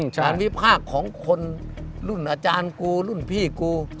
การวิพากษ์ของคนรุ่นอาจารย์กูรุ่นพี่กู